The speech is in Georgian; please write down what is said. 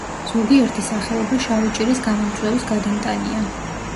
ზოგიერთი სახეობა შავი ჭირის გამომწვევის გადამტანია.